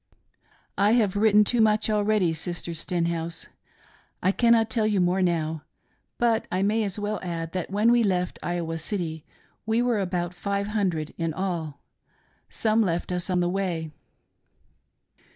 "I have written too much already. Sister Stenhouse. I cannot tell you more now, but I may as well add that when we left Iowa City we were about five hundred in all. Some left us on the way.